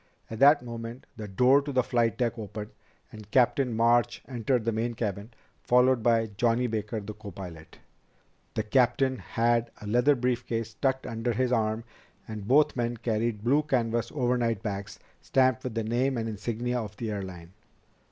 At that moment the door to the flight deck opened and Captain March entered the main cabin, followed by Johnny Baker, the copilot. The captain had a leather brief case tucked under his arm and both men carried blue canvas overnight bags stamped with the name and insignia of the airline.